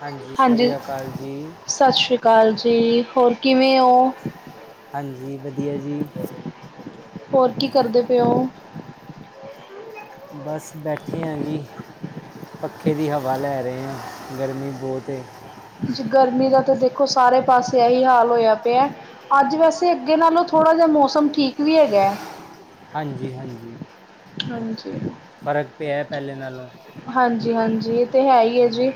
ਹਾਂਜੀ ਸ੍ਰੀ ਅਕਾਲ ਜੀ। ਸਤਿ ਸ਼੍ਰੀ ਅਕਾਲ ਜੀ। ਹੋਰ ਕਿਵੇਂ ਓ? ਹਾਂਜੀ, ਵਧੀਆ ਜੀ। ਹੋਰ ਕੀ ਕਰਦੇ ਪਏ ਓ? ਬਸ ਬੈਠੇ ਆ ਜੀ। ਪੱਖੇ ਦੀ ਹਵਾ ਲੈ ਰਹੇ ਆ ਗਰਮੀ ਬਹੁਤ ਏ। ਗਰਮੀ ਦਾ ਤਾਂ ਦੇਖੋ ਸਾਰੇ ਪਾਸੇ ਇਹੀ ਹਾਲ ਹੋਇਆ ਪਿਆ। ਅੱਜ ਵੈਸੇ ਅੱਗੇ ਨਾਲੋਂ ਥੋੜ੍ਹਾ ਜਿਹਾ ਮੌਸਮ ਵੀ ਹੈਗਾ। ਹਾਂਜੀ-ਹਾਂਜੀ ਹਾਂਜੀ ਫ਼ਰਕ ਪਿਆ ਪਹਿਲੇ ਨਾਲੋਂ। ਹਾਂਜੀ-ਹਾਂਜੀ ਇਹ ਤੇ ਹੈ ਹੀ ਐ ਜੀ।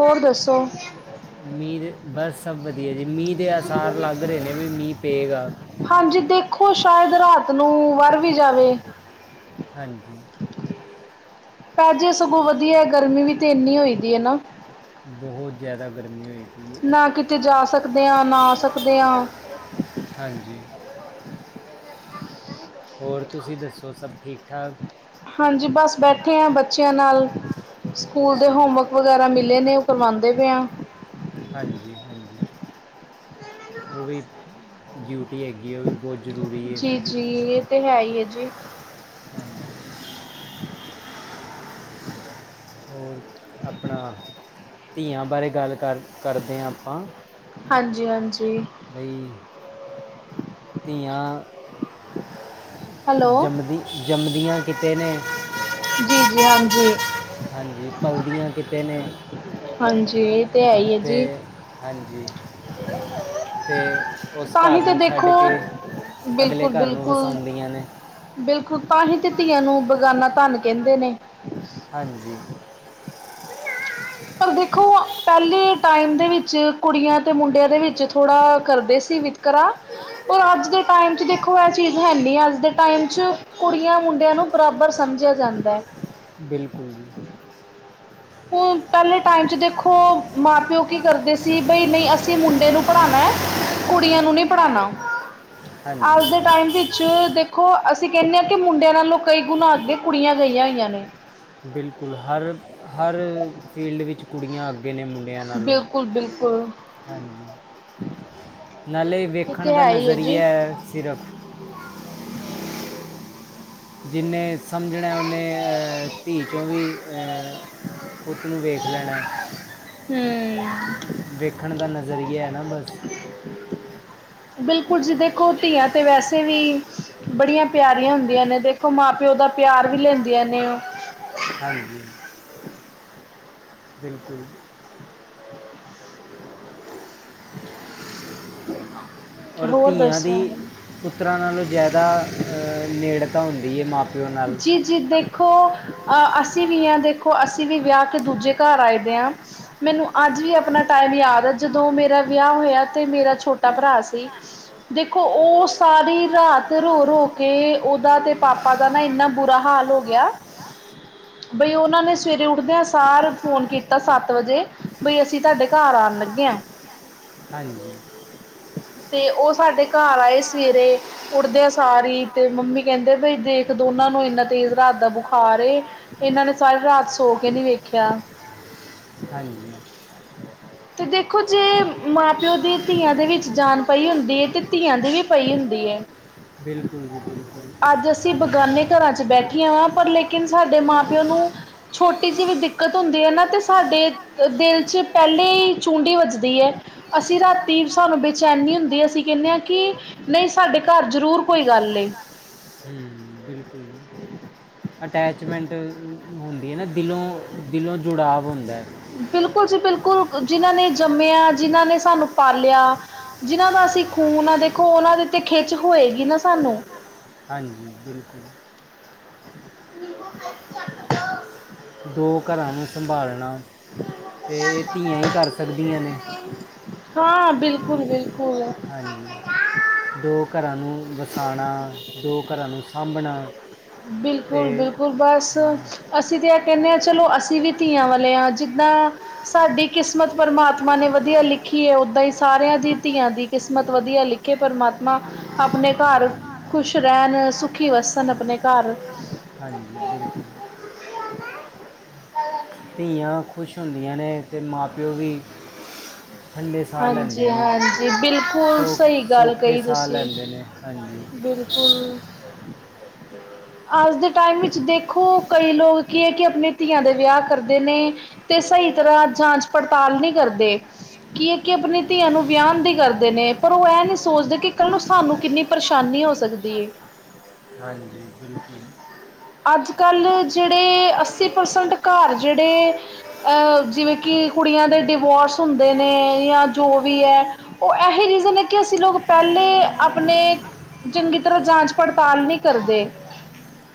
ਹੋਰ ਦੱਸੋ? ਮੀਂਹ ਦੇ ਬਸ ਸਭ ਵਧੀਆ ਜੀ ਮੀਂਹ ਦੇ ਆਸਾਰ ਲੱਗ ਰਹੇ ਨੇ ਵੀ ਮੀਂਹ ਪਏਗਾ। ਹਾਂਜੀ ਦੇਖੋ ਸ਼ਾਇਦ ਰਾਤ ਨੂੰ ਵਰ ਵੀ ਜਾਵੇ। ਹਾਂਜੀ। ਪੈਜੇ ਸਗੋਂ ਵਧੀਆ ਗਰਮੀ ਵੀ ਤੇ ਇੰਨੀ ਹੋਈ ਦੀ ਐ ਨਾ। ਬਹੁਤ ਜ਼ਿਆਦਾ ਗਰਮੀ ਹੋਈ ਪਈ ਹੈ ਨਾ ਕਿਤੇ ਜਾ ਸਕਦੇ ਆ ਨਾ ਆ ਸਕਦੇ ਆ। ਹਾਂਜੀ। ਹੋਰ ਤੁਸੀਂ ਦੱਸੋ ਸਭ ਠੀਕ ਠਾਕ? ਹਾਂਜੀ ਬਸ ਬੈਠੇ ਐ ਬੱਚਿਆਂ ਨਾਲ ਸਕੂਲ ਦੇ ਅੱਛਾ ਹੋਮਵਰਕ ਵਗੈਰਾ ਮਿਲੇ ਨੇ ਉਹ ਕਰਵਾਉਂਦੇ ਪਏ ਆ। ਹਾਂਜੀ, ਹਾਂਜੀ ਉਹ ਵੀ ਡਿਊਟੀ ਹੈਗੀ। ਕਿ ਉਹ ਵੀ ਬਹੁਤ ਜ਼ਰੂਰੀ ਐ ਜੀ ਇਹ ਤਾਂ ਹੈ ਹੀ ਐ ਜੀ। ਹਾਂਜੀ। ਹੋਰ, ਆਪਣਾ, ਧੀਆਂ ਬਾਰੇ ਗੱਲ ਕਰ ਕਰਦੇ ਹਾਂ ਆਪਾਂ। ਹਾਂਜੀ -ਹਾਂਜੀ। ਨਹੀਂ ਜੀ। ਧੀਆਂ, ਹੈਲੋ ਜਮਦੀ -ਜਮਦੀਆਂ ਕੀਤੇ ਨੇ ਜੀ- ਜੀ ਹਾਂਜੀ। ਹਾਂਜੀ ਪਲਦੀਆਂ ਕਿਤੇ ਨੇ ਹਾਂਜੀ, ਇਹ ਤੇ ਹੈ ਹੀ ਐ ਅਤੇ ਜੀ। ਹਾਂਜੀ। ਤੇ, ਉਸ ਤਾਂ ਹੀ ਘਰ ਤਾਂ ਨੂੰ ਦੇਖੋ ਛੱਡ ਕੇ, ਅਗਲੇ ਬਿਲਕੁਲ-ਬਿਲਕੁਲ ਘਰ ਨੂੰ ਬਿਲਕੁਲ ਵਸਾਉਂਦੀਆਂ ਨੇ। ਬਿਲਕੁਲ ਤਾਂਹੀ ਤੇ ਧੀਆਂ ਨੂੰ ਬਗਾਨਾ ਧੰਨ ਕਹਿੰਦੇ ਨੇ। ਹਾਂਜੀ। ਪਰ ਦੇਖੋ, ਪਹਿਲੇ ਟਾਈਮ ਦੇ ਵਿੱਚ ਕੁੜੀਆਂ ਤੇ ਮੁੰਡਿਆਂ ਦੇ ਵਿੱਚ ਥੋੜ੍ਹਾ ਕਰਦੇ ਸੀ ਵਿਤਕਰਾ, ਪਰ ਅੱਜ ਦੇ ਟਾਈਮ 'ਚ ਦੇਖੋ ਇਹ ਚੀਜ਼ ਹੈਨੀ ਅੱਜ ਦੇ ਟਾਈਮ 'ਚ ਕੁੜੀਆਂ ਮੁੰਡਿਆਂ ਨੂੰ ਬਰਾਬਰ ਸਮਝਿਆ ਜਾਂਦਾ ਐ। ਬਿਲਕੁਲ ਜੀ। ਹੁ ਪਹਿਲੇ ਟਾਈਮ 'ਚ ਦੇਖੋ ਮਾਂ ਪਿਓ ਕੀ ਕਰਦੇ ਸੀ ਬਈ ਨਹੀਂ ਅਸੀਂ ਮੁੰਡੇ ਨੂੰ ਪੜ੍ਹਾਉਣਾ ਐ ਕੁੜੀਆਂ ਨੂੰ ਨਹੀਂ ਪੜ੍ਹਾਣਾ, ਅੱਜ ਦੇ ਹਾਂਜੀ ਟਾਈਮ ਵੀ ਵਿੱਚ ਦੇਖੋ ਅਸੀਂ ਕਹਿੰਦੇ ਹਾਂ ਕਿ ਮੁੰਡਿਆਂ ਨਾਲੋਂ ਕਈ ਗੁਣਾ ਅੱਗੇ ਕੁੜੀਆਂ ਗਈਆਂ ਹੋਈਆਂ ਨੇ। ਬਿਲਕੁਲ ਹਰ, ਹਰ ਫੀਲਡ ਵਿੱਚ ਕੁੜੀਆਂ ਅੱਗ ਅੱਗੇ ਨੇ ਮੁੰਡਿਆਂ ਨਾਲੋਂ, ਬਿਲਕੁਲ-ਬਿਲਕੁਲ ਹਾਂਜੀ ਨਾਲੇ ਇਹ ਵੇਖਣ ਤੇ ਦਾ ਹੈ ਹੀ ਹੈ ਜੀ। ਨਜ਼ਰੀਆ ਸਿਰਫ। ਜਿੰਨੇ ਸਮਝਣਾ ਉਨੇ, ਧੀ ਚੋਂ ਵੀ ਪੁੱਤ ਨੂੰ ਵੇਖ ਲੈਣਾ। ਹਮ। ਵੇਖਣ ਦਾ ਨਜ਼ਰੀਆ ਨਾ ਬਸ। ਬਿਲਕੁਲ ਜੀ ਦੇਖੋ ਧੀਆਂ ਤੇ ਵੈਸੇ ਵੀ। ਬੜੀਆਂ ਪਿਆਰੀਆਂ ਹੁੰਦੀਆਂ ਨੇ ਦੇਖੋ, ਮਾਂ-ਪਿਓ ਦਾ ਪਿਆਰ ਵੀ ਲੈਂਦੀਆਂ ਨੇ ਉਹ। ਹਾਂਜੀ। ਬਿਲਕੁਲ ਜੀ। ਔਰ ਹੋਰ ਧੀਆਂ ਦੀ ਦੱਸੋ? ਪੁੱਤਰਾਂ ਨਾਲੋਂ ਜ਼ਿਆਦਾ ਨੇੜਤਾ ਹੁੰਦੀ ਏ। ਮਾਂ- ਜੀ-ਜੀ ਦੇਖੋ ਅਹ ਅਸੀ ਵੀ ਹ ਦੇਖੋ। ਅਸੀ ਵੀ ਵਿਆਹ ਕੇ ਦੂਜੇ ਘਰ ਆਏ ਵੇ ਹਾਂ। ਮੈਨੂੰ ਅੱਜ ਵੀ ਆਪਣਾ ਟਾਈਮ ਯਾਦ ਆ। ਜਦੋਂ ਮੇਰਾ ਵਿਆਹ ਹੋਇਆ ਤੇ ਮੇਰਾ ਛੋਟਾ ਭਰਾ ਸੀ। ਦੇਖੋ, ਉਹ ਸਾਰੀ ਰਾਤ ਰੋ-ਰੋ ਕੇ ਉਹਦਾ ਤੇ ਪਾਪਾ ਦਾ ਨਾ ਬੁਰਾ ਹਾਲ ਗਿਆ। ਬਈ ਉਹਨਾਂ ਨੇ ਸਵੇਰੇ ਉੱਠਦਿਆਂ ਸਾਰ ਫੋਨ ਕੀਤਾ ਸੱਤ ਵਜੇ, ਬਈ ਅਸੀਂ ਤੁਹਾਡੇ ਘਰ ਆਣ ਲੱਗੇ ਹਾਂ। ਹਾਂਜੀ। ਤੇ ਉਹ ਸਾਡੇ ਘਰ ਆਏ ਸਵੇਰੇ, ਉੱਠਦਿਆਂ ਸਾਰ ਤੇ ਮੰਮੀ ਕਹਿੰਦੇ ਬਈ ਦੇਖ ਦੋਨਾਂ ਨੂੰ ਇੰਨਾ ਤੇਜ਼ ਰਾਤ ਦਾ ਬੁਖਾਰ ਏ। ਇਹਨਾਂ ਨੇ ਸਾਰੀ ਰਾਤ ਸੋ ਕੇ ਨਹੀਂ ਵੇਖਿਆ। ਹਾਂਜੀ। ਤੇ ਦੇਖੋ ਜੇ ਮਾਂ-ਪਿਓ ਦੀ ਧੀਆਂ ਦੇ ਵਿੱਚ ਜਾਨ ਪਈ ਹੁੰਦੀ ਏ ਤੇ ਧੀਆਂ ਦੀ ਵੀ ਪਈ ਹੁੰਦੀ ਏ। ਬਿਲਕੁਲ ਜੀ ਬਿਲਕੁਲ। ਲਿਆ ਪਰ ਲੇਕਿਨ ਸਾਡੇ ਮਾਂ ਪਿਓ ਨੂੰ ਛੋਟੀ ਜਿਹੀ ਵੀ ਦਿੱਕਤ ਹੁੰਦੀ ਏ ਨਾ ਤੇ ਸਾਡੇ ਦਿਲ ਚ ਪਹਿਲਾ ਈ ਚੁੰਡੀ ਵੱਜਦੀ ਐ, ਅਸੀ ਰਾਤੀ ਸਾਨੂੰ ਬੇਚੈਨੀ ਹੁੰਦੀ ਅਸੀ ਕਹਿੰਦੇ ਹਾਂ ਕਿ ਨਹੀਂ ਸਾਡੇ ਘਰ ਜ਼ਰੂਰ ਕੋਈ ਗੱਲ ਐ। ਠੀਅ ਬਿਲਕੁਲ ਜੀ। ਅਟੈਚਮੈਂਟ ਹੁੰਦੀ ਏ ਨਾ ਦਿਲੋਂ ਦਿਲੋਂ ਜੁੜਾਵ ਹੁੰਦਾ। ਬਿਲਕੁਲ ਜੀ ਬਿਲਕੁਲ। ਜਿਨਾਂ ਨੇ ਜੰਮਿਆ, ਜਿਨ੍ਹਾਂ ਨੇ ਸਾਨੂੰ ਪਾਲਿਆ। ਜਿਹਨਾਂ ਦਾ ਅਸੀ ਖੂਨ ਆ ਦੇਖੋ ਉਹਨਾਂ ਦੀ ਤਾਂ ਖਿੱਚ ਹੋਏਗੀ ਨਾ ਸਾਨੂੰ। ਹਾਂਜੀ ਬਿਲਕੁਲ। [unintelligible] ਦੋ ਘਰਾਂ ਨੂੰ ਸੰਭਾਲਣਾ ਤੇ ਇਹ ਧੀਆਂ ਹੀ ਕਰ ਸਕਦੀਆਂ ਨੇ। ਹਾਂ ਬਿਲਕੁਲ-ਬਿਲਕੁਲ। ਹਾਂਜੀ। ਦੋ ਘਰਾਂ ਨੂੰ ਵਸਾਣਾ ਦੋ ਘਰਾਂ ਨੂੰ ਸਾਂਭਣਾ। ਤੇ ਬਿਲਕੁਲ-ਬਿਲਕੁਲ ਬਸ। ਹਾਂ ਅਸੀਂ ਤਾਂ ਇਹ ਕਹਿੰਦੇ ਹਾਂ ਚਲੋ, ਅਸੀਂ ਵੀ ਧੀਆਂ ਵਾਲੇ ਹਾਂ ਜਿੱਦਾਂ ਸਾਡੀ ਕਿਸਮਤ ਪ੍ਰਮਾਤਮਾ ਨੇ ਵਧੀਆ ਲਿਖੀ ਏ ਓਦਾਂ ਹੀ ਸਾਰਿਆਂ ਦੀ ਧੀਆਂ ਦੀ ਕਿਸਮਤ ਵਧੀਆ ਲਿਖੀ। ਪਰਮਾਤਮਾ ਆਪਣੇ ਘਰ ਖੁਸ਼ ਰਹਿਣ ਸੁਖੀ ਵਸਣ ਆਪਣੇ ਘਰ‌। ਹਾਂਜੀ ਬਿਲਕੁਲ। [unintelligible] ਧੀਆਂ ਖੁਸ਼ ਹੁੰਦੀਆਂ ਨੇ ਤੇ ਮਾਂ ਪਿਓ ਵੀ ਠੰਡੇ ਸਾਹ ਲੈਂਦੇ ਨੇ ਹਾਂਜੀ-ਹਾਂਜੀ, ਬਿਲਕੁਲ ਸੋ ਸਹੀ ਗੱਲ ਸੌਖੇ ਕਹੀ ਸਾਹ ਤੁਸੀਂ। ਲੈਂਦੇ ਨੇ ਹਾਂਜੀ ਬਿਲਕੁਲ। ਅੱਜ ਦੇ ਟਾਈਮ ਵਿੱਚ ਦੇਖੋ ਕਈ ਲੋਕ ਕੀ ਹੈ ਕਿ ਆਪਣੀ ਧੀਆਂ ਦੇ ਵਿਆਹ ਕਰਦੇ ਨੇ ਤੇ ਸਹੀ ਤਰ੍ਹਾਂ ਜਾਂਚ ਪੜਤਾਲ ਨਹੀ ਕਰਦੇ। ਕੀ ਹੈ ਕਿ ਆਪਣੀ ਧੀਆਂ ਨੂੰ ਵਿਆਹਣ ਦੀ ਕਰਦੇ ਨੇ ਪਰ ਉਹ ਇਹ ਨਹੀਂ ਸੋਚਦੇ ਕਿ ਕੱਲ੍ਹ ਨੂੰ ਸਾਨੂੰ ਕਿੰਨੀ ਪਰੇਸ਼ਾਨੀ ਹੋ ਸਕਦੀ ਐ। ਹਾਂਜੀ, ਬਿਲਕੁਲ। ਅੱਜ- ਕੱਲ੍ਹ ਜਿਹੜੇ ਅੱਸੀ ਪਰਸੈਂਟ ਘਰ ਜਿਹੜੇ ਅਹ ਜਿਵੇਂ ਕਿ ਕੁੜੀਆਂ ਦੇ ਡਿਵੋਰਸ ਹੁੰਦੇ ਨੇ ਜਾਂ ਜੋ ਵੀ ਐ। ਉਹ ਇਹੀ ਰਿਜ਼ਨ ਐ ਕੇ ਅਸੀ ਲੋਕ ਪਹਿਲੇ ਆਪਣੇ ਚੰਗੀ ਤਰ੍ਹਾਂ ਜਾਂਚ -ਪੜਤਾਲ ਨਹੀਂ ਕਰਦੇ।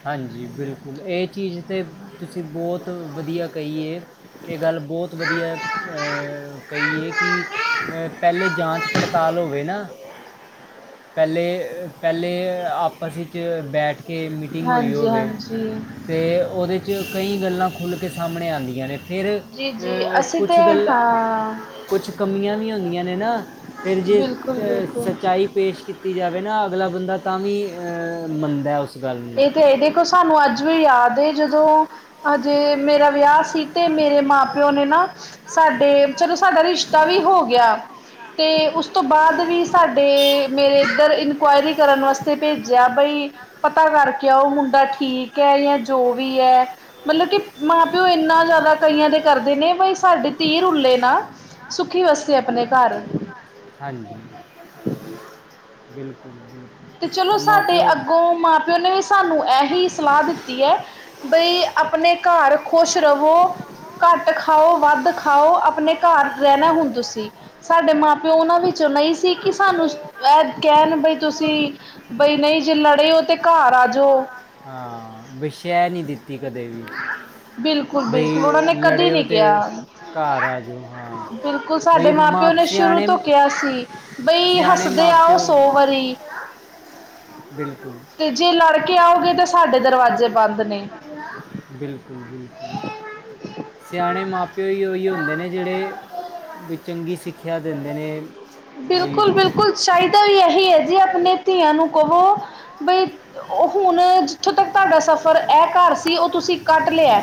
ਹਾਂਜੀ ਬਿਲਕੁਲ ਇਹ ਚੀਜ਼ ਤੇ ਤੁਸੀਂ ਬਹੁਤ ਵਧੀਆ ਕਹੀਏ। ਇਹ ਗੱਲ ਬਹੁਤ ਵਧੀਆ ਕਹੀਏ ਕੀ। ਪਹਿਲੇ ਜਾਂਚ - ਪੜਤਾਲ ਹੋਵੇ ਨਾ ਪਹਿਲੇ ਪਹਿਲੇ ਆਪਸ ਵਿੱਚ ਬੈਠ ਕੇ ਮੀਟਿੰਗ ਹੋਈ ਹਾਂਜੀ ਹੋਵੇ। ਹਾਂਜੀ ਤੇ ਉਹਦੇ 'ਚ ਕਈ ਗੱਲਾਂ ਖੁੱਲ੍ਹ ਕੇ ਸਾਹਮਣੇ ਆਂਦੀਆਂ ਨੇ ਫਿਰ ਜੀ-ਜੀ ਅਸੀਂ ਤਾਂ ਹਾਂ ਕੁਛ ਕਮੀਆਂ ਵੀ ਹੁੰਦੀਆਂ ਨੇ ਨਾ ਫਿਰ ਜੇ ਬਿਲਕੁਲ-ਬਿਲਕੁਲ ਸੱਚਾਈ ਪੇਸ਼ ਕੀਤੀ ਕੀਤੀ ਜਾਵੇ ਨਾ ਅਗਲਾ ਬੰਦਾ ਤਾਂ ਵੀ ਅਹ ਮੰਨਦਾ ਉਸ ਗੱਲ ਨੂੰ ਇਹ ਤੇ ਦੇਖੋ ਸਾਨੂੰ ਅੱਜ ਵੀ ਯਾਦ ਏ ਜਦੋਂ ਹਜੇ ਮੇਰਾ ਵਿਆਹ ਸੀ ਤੇ ਮੇਰੇ ਮਾਂ ਪਿਓ ਨੇ ਨਾ ਸਾਡੇ ਚਲੋ ਸਾਡਾ ਰਿਸ਼ਤਾ ਵੀ ਹੋ ਗਿਆ। ਤੇ ਉਸ ਤੋਂ ਬਾਅਦ ਵੀ ਸਾਡੇ ਮੇਰੇ ਇੱਧਰ ਇਨਕੁਆਇਰੀ ਕਰਨ ਵਾਸਤੇ ਭੇਜਿਆ ਬਈ ਪਤਾ ਕਰਕੇ ਆਉ ਮੁੰਡਾ ਠੀਕ ਹੈ ਜਾਂ ਜੋ ਵੀ ਐ। ਮਤਲਬ ਕਿ ਮਾਂ ਪਿਓ ਇੰਨਾ ਜ਼ਿਆਦਾ ਕਈਆਂ ਦੇ ਕਰਦੇ ਨੇ ਬਈ ਸਾਡੇ ਧੀ ਰੁੱਲੇ ਨਾ। ਸੁੱਖੀ ਵਸੇ ਆਪਣੇ ਘਰ। ਹਾਂਜੀ ਬਿਲਕੁਲ- ਬਿਲਕੁਲ। ਤੇ ਚਲੋ ਅ, ਮਾਂ ਸਾਡੇ ਪਿਓ ਅੱਗੋਂ ਮਾਂ- ਪਿਓ ਨੇ ਵੀ ਤਹਾਨੂੰ ਇਹੀ ਸਲਾਹ ਦਿੱਤੀ ਐ, ਬਈ ਆਪਣੇ ਘਰ ਖੁਸ਼ ਰਹੋ। ਘੱਟ ਖਾਓ ਵੱਧ ਖਾਓ ਆਪਣੇ ਘਰ ਰਹਿਣਾ ਹੁਣ ਤੁਸੀਂ ਸਾਡੇ ਮਾਂ- ਪਿਓ ਉਹਨਾਂ ਵਿੱਚੋਂ ਨਹੀਂ ਸੀ ਕਿ ਸਾਨੂੰ ਐ ਕਹਿਣ ਬਈ ਵੀ ਬਈ ਨਹੀਂ ਜੇ ਲੜੇ ਹੋ ਤੇ ਘਰ ਆ ਜਾਓ। ਹਾਂ, ਵੀ ਸੈਅ ਨਹੀਂ ਦਿੱਤੀ ਕਦੇ ਵੀ। ਬਿਲਕੁਲ ਬਿਲਕੁਲ ਬਈ ਉਹਨਾਂ ਨੇ ਕਦੇ ਲੜੇਓ ਨਹੀਂ ਤੇ ਕਿਹਾ ਘਰ ਆ ਜਾਓ ਹਾਂ। ਬਿਲਕੁਲ ਬਈ ਸਾਡੇ ਮਾਂ-ਪਿਓ ਮਾਪ ਨੇ ਸ਼ੁਰੂ ਸਿਆਣੇ ਤੋਂ ਕਿਹਾ ਸੀ ਬਈ ਸਿਆਣੇ ਹੱਸਦੇ ਆਓ ਮਾਪਿਓ ਸੌ ਵਾਰੀ ਬਿਲਕੁਲ। ਤੇ ਜੇ ਲੜਕੇ ਆਓਗੇ ਤਾਂ ਸਾਡੇ ਦਰਵਾਜ਼ੇ ਬੰਦ ਨੇ ਬਿਲਕੁਲ- ਬਿਲਕੁਲ ਸਿਆਣੇ ਮਾਂ- ਪਿਓ ਉਹੀ ਹੁੰਦੇ ਜਿਹੜੇ ਵੀ ਚੰਗੀ ਸਿੱਖਿਆ ਦਿੰਦੇ ਨੇ। ਬਈ ਬਿਲਕੁਲ- ਬਿਲਕੁਲ ਚਾਹੀਦਾ ਵੀ ਇਹੀ ਹੈ ਜੀ ਆਪਣੇ ਧੀਆਂ ਨੂੰ ਕਹੋ ਬਈ ਹੁਣ ਜਿੱਥੋਂ ਤੱਕ ਤੁਹਾਡਾ ਸਫ਼ਰ ਇਹ ਘਰ ਉਹ ਤੁਸੀਂ ਕੱਟ ਲਿਆ।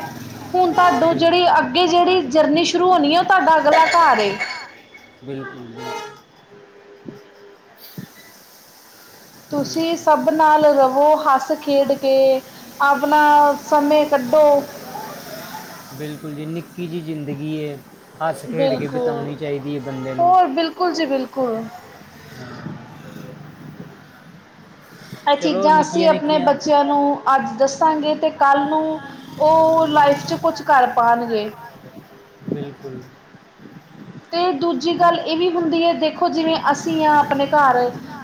ਹੁਣ ਤੁਹਾਨੂੰ ਬਿਲ ਜਿਹੜੀ ਅੱਗੇ ਜਿਹੜੀ ਜਰਨੀ ਸ਼ੁਰੂ ਹੋਣੀ ਹੈ ਉਹ ਤੁਹਾਡਾ ਅਗਲਾ ਘਰ ਏ। ਬਿਲਕੁਲ- ਬਿਲਕੁਲ। ਤੁਸੀਂ ਬਿਲਕੁਲ ਸਭ ਨਾਲ ਰਵੋ ਹੱਸ ਖੇਡ ਕੇ ਆਪਣਾ, ਸਮੇ ਕੱਢੋ? ਬਿਲਕੁਲ ਜੀ ਨਿੱਕੀ ਜਿਹੀ ਜ਼ਿੰਦਗੀ ਐ ਹੱਸ-ਖੇਡ ਕੇ ਬਿਲਕੁਲ ਬਿਤਾਉਣੀ ਚਾਹੀਦੀ ਐਬੰਦੇ ਨੂੰ ਹੋਰ ਬਿਲਕੁਲ ਜੀ ਬਿਲਕੁਲ। ਇਹ ਚਲੋ ਚੀਜ਼ਾਂ ਅਸੀਂ ਨਿੱਕੀਆਂ ਆਪਣੇ ਨਿੱਕੀਆਂ ਬੱਚਿਆਂ ਨੂੰ ਅੱਜ ਦੱਸਾਂਗੇ ਤੇ ਕੱਲ੍ਹ ਨੂੰ ਉਹ ਲਾਈਫ 'ਚ' ਕੁਛ ਕਰ ਪਾਣਗੇ। ਬਿਲਕੁਲ। ਤੇ ਦੂਜੀ ਗੱਲ ਹਮ, ਇਹ ਵੀ ਹੁੰਦੀ ਐ, ਦੇਖੋ ਜਿਵੇਂ ਅਸੀਂ ਹਾਂ ਆਪਣੇ ਘਰ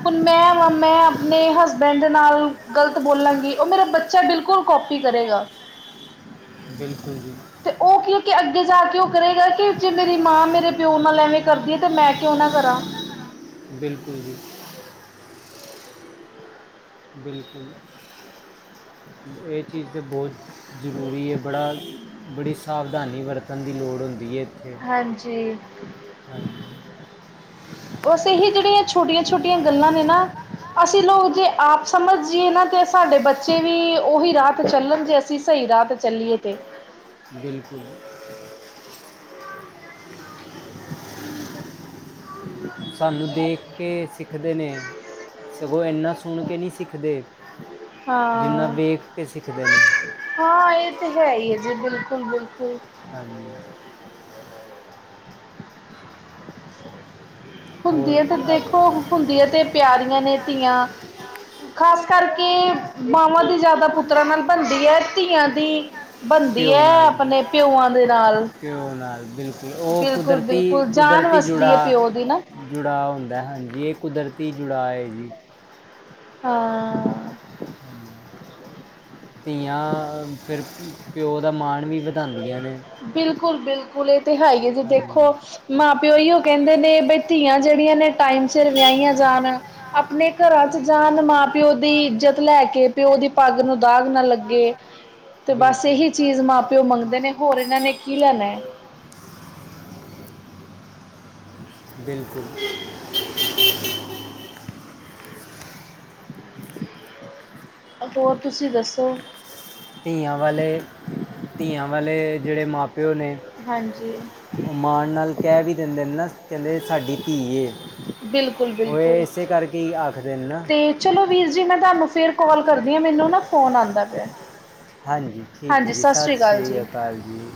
ਹੁਣ ਮੈਂ, ਮੈਂ ਆਪਣੇ ਹਸਬੈਂਡ ਨਾਲ ਗ਼ਲਤ ਬੋਲਾਂਗੀ। ਉਹ ਮੇਰਾ ਬੱਚਾ ਬਿਲਕੁਲ ਕੋਪੀ ਕਰੇਗਾ। ਬਿਲਕੁਲ ਜੀ। ਤੇ ਉਹ ਕਿਉਂਕਿ ਅੱਗੇ ਜਾ ਕੇ ਉਹ ਕਰੇਗਾ ਕਿ, ਜੇ ਮੇਰੀ ਮਾਂ ਮੇਰੇ ਪਿਓ ਨਾਲ ਐਵੇਂ ਕਰਦੀ ਆ ਤੇ ਮੈਂ ਕਿਉਂ ਨਾ ਕਰਾਂ। ਬਿਲਕੁਲ ਜੀ। ਬਿਲਕੁਲ, ਇਹ ਚੀਜ਼ ਤੇ ਬਹੁਤ ਜ਼ਰੂਰੀ ਏ ਬੜਾ, ਬੜੀ ਸਾਵਧਾਨੀ ਵਰਤਣ ਦੀ ਲੋੜ ਹੁੰਦੀ ਏ। ਹਾਂਜੀ। ਉਸੇ ਹੀ ਜਿਹੜੀਆਂ ਛੋਟੀਆਂ- ਛੋਟੀਆਂ ਗੱਲਾਂ ਨੇ ਨਾ ਅਸੀਂ ਲੋਕ ਜੇ ਆਪ ਸਮਝਏ ਨਾ ਤੇ ਸਾਡੇ ਬੱਚੇ ਵੀ, ਉਹੀ ਰਾਹਤ ਚੱਲਣ ਜੇ ਅਸੀਂ ਸਹੀ ਰਾਹ ਤੇ ਚੱਲੀਏ ਤੇ ਬਿਲਕੁਲ। ' [unintelligible] ਸਾਨੂੰ ਦੇਖ ਕੇ ਸਿੱਖਦੇ ਨੇ, ਸਗੋਂ ਇੰਨਾ ਸੁਣ ਕੇ ਨਹੀਂ ਸਿੱਖਦੇ। ਜਿੰਨਾ ਹਾਂ ਵੇਖ ਕੇ ਸਿੱਖਦੇ ਨੇ। ਹਾਂ ਇਹ ਤੇ ਹੈ ਹੀ ਹੈ ਜੀ ਬਿਲਕੁਲ-ਬਿਲਕੁਲ। ਹਾਂਜੀ। ' [unintelligible] ਹੋਰ ਹੁੰਦੀਆਂ ਤੇ ਆ ਦੇਖੋ, ਹੁੰਦੀਆਂ ਤੇ ਪਿਆਰੀਆਂ ਨੇ ਧੀਆਂ ਖ਼ਾਸ ਕਰਕੇ ਮਾਵਾਂ ਦੀ ਜ਼ਿਆਦਾ ਪੁੱਤਰਾਂ ਨਾਲ ਬਣਦੀ ਐ। ਧੀਆਂ ਦੀ ਬਣਦੀ ਪਿਓ ਏ ਨਾਲ ਆਪਣੇ ਪਿਉਆਂ ਦੇ ਨਾਲ ਪਿਓ ਨਾਲ ਬਿਲਕੁਲ ਉਹ ਕੁਦਰਤੀ ਬਿਲਕੁਲ-ਬਿਲਕੁਲ। ਜਾਨ ਵਸਦੀ ਐ ਪਿਓ ਦੀ ਨਾ। ਜੁੜਾਅ ਹੁੰਦਾ, ਹਾਂਜੀ ਇ ਕੁਦਰਤੀ ਜੁੜਾਅ ਐ ਜੀ। ਹਾਂਅ। ਧੀਆਂ ਫਿਰ ਪਿਓ ਦਾ ਮਾਣ ਵੀ ਵਧਾਂਦੀਆਂ ਨੇ। ਬਿਲਕੁਲ-ਬਿਲਕੁਲ ਏ ਤੇ ਹੈ ਇਹ ਐ ਜੀ ਦੇਖੋ ਹਾਂਜੀ ਮਾਂ-ਪਿਓ ਓਈਓ ਕੈਂਦੇ ਨੇ ਬਈ ਧੀਆਂ ਜਿਹੜੀਆਂ ਨੇ ਓ ਟਾਈਮ ਸਿਰ ਵਿਆਈਆਂ ਜਾਣ। ਆਪਣੇ ਘਰਾਂ 'ਚ' ਜਾਣ ਮਾਂ- ਪਿਓ ਦੀ ਇੱਜ਼ਤ ਲੈ ਕੇ, ਪਿਓ ਦੀ ਪੱਗ ਨੂੰ ਦਾਗ ਨਾ ਲੱਗੇ। ਤੇ ਬੱਸ ਬਿਲਕੁਲ ਇਹੀ ਚੀਜ਼ ਮਾਂ-ਪਿਓ ਮਗਦੇ ਨੇ, ਹੋਰ ਇਨਾਂ ਨੇ ਕੀ ਲੈਣਾ। ਹੈ। ਬਿਲਕੁਲ। ਹੋਰ ਤੁਸੀ ਦੱਸੋ? ਧੀਆਂ ਵਾਲੇ, ਧੀਆਂ ਵਾਲੇ ਜੇੜੇ ਮਾਂ-ਪਿਓ ਨੇ ਹਾਂਜੀ। ਉਹ ਮਾਣ ਨਾਲ ਕਹਿ ਵੀ ਦਿੰਦੇ ਨੇ ਨਾ ਕਹਿੰਦੇ ਸਾਡੀ ਧੀ ਏ। ਬਿਲਕੁਲ ਉਹ ਇ ਬਿਲਕੁਲ ਏਸੇ ਕਰਕੇ ਈ ਆਖਦੇ ਨੇ ਨਾ। ਤੇ ਚਲੋ ਵੀਰ ਜੀ ਮੈਂ ਧਾਨੂੰ ਫਿਰ ਕੌਲ ਕਰਦੀ ਆਂ ਮੈਨੂੰ ਨਾ ਫੋਨ ਆਂਦਾ ਪਿਆ। ਹਾਂਜੀ ਠੀਕ ਐ ਹਾਂਜੀ ਜੀ ਸਤਿ ਅਕਾਲ ਸ਼੍ਰੀ ਜੀ। ਅਕਾਲ ਜੀ।